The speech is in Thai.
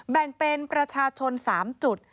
แบ่งเป็นประชาชน๓จุด